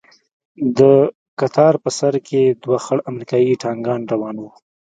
د کتار په سر کښې دوه خړ امريکايي ټانگان روان وو.